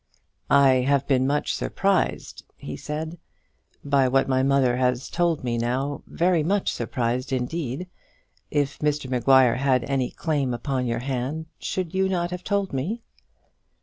"I have been much surprised," he said, "by what my mother has now told me, very much surprised indeed. If Mr Maguire had any claim upon your hand, should you not have told me?"